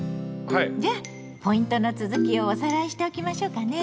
じゃあポイントの続きをおさらいしておきましょうかね。